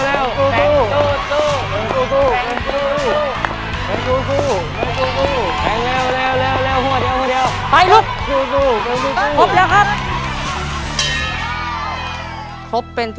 เร็วเร็วเร็ว